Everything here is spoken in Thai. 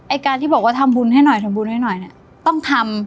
การที่บอกว่าทำบุญให้หน่อยทำบุญให้หน่อยเนี่ยต้องทำ